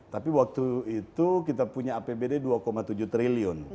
tapi waktu itu kita punya apbd dua tujuh triliun